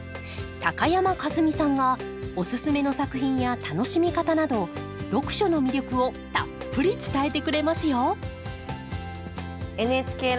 高山一実さんがおススメの作品や楽しみ方など読書の魅力をたっぷり伝えてくれますよ